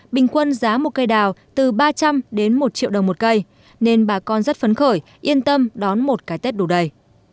bình quân giá một cây đào từ ba trăm linh đến một triệu đồng một cây nên bà con rất phấn khởi yên tâm đón một cái tết đủ đầy